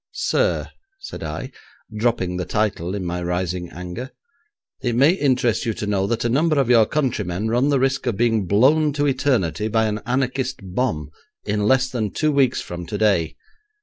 'Sir,' said I, dropping the title in my rising anger, 'it may interest you to know that a number of your countrymen run the risk of being blown to eternity by an anarchist bomb in less than two weeks from today.